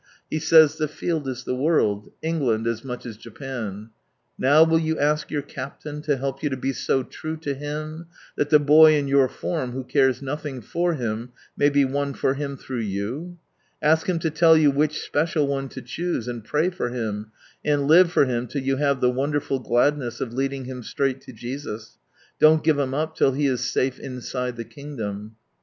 He says, '■ The field is the world," — England as much as Japan, Now will you ask your Captain to help you to be so true to Him, that the boy in your form who cares nothing for Him may be won for Him through you ? Ask Him to tell you which special one to choose, and pray for him, and live for him till you have the wonderful gladness of leading him straight to Jesus, Don't give him up till he is safe inside the kingdom.